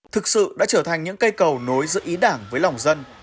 thực sự đã trở thành những cây cầu nối giữa ý đảng với lòng dân